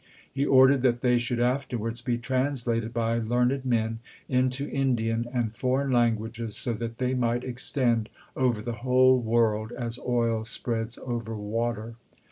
He ordered that they should afterwards be translated by learned men into Indian and foreign languages, so that they might extend over the whole world as oil spreads over water.